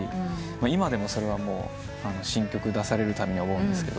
今でもそれは新曲出されるたびに思うんですが。